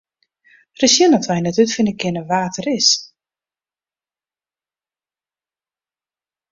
Ris sjen oft wy net útfine kinne wa't er is.